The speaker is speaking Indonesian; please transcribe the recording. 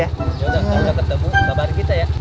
yaudah kalau gak ketemu kabar kita ya